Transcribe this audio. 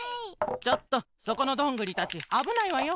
ちょっとそこのどんぐりたちあぶないわよ。